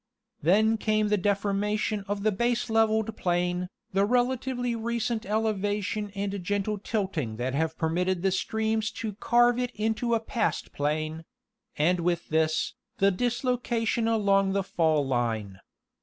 Then came the deformation of the baselevelled plain, the relatively recent eleva tion and gentle tilting that have permitted the streams to carve it into a pastplain; and with this, the dislocation along the fall lme.